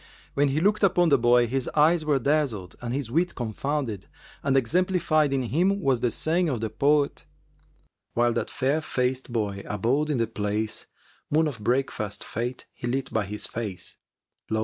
When he looked upon the boy, his eyes were dazzled and his wit confounded, and exemplified in him was the saying of the poet, "While that fair faced boy abode in the place, * Moon of breakfast fкte he lit by his face,[FN#381] Lo!